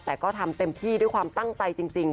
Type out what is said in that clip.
แต่ก็ทำเต็มที่ด้วยความตั้งใจจริง